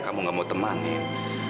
kamu gak mau temanin